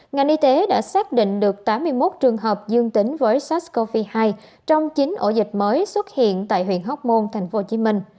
ngành y tế đã xác định được tám mươi một trường hợp dương tính với sars cov hai trong chín ổ dịch mới xuất hiện tại huyện hóc môn tp hcm